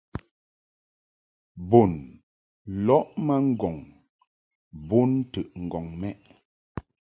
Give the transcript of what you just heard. Bun lɔʼ ma ŋgɔŋ bon ntəʼŋgɔŋ mɛʼ.